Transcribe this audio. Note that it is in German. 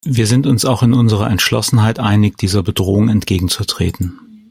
Wir sind uns auch in unserer Entschlossenheit einig, dieser Bedrohung entgegenzutreten.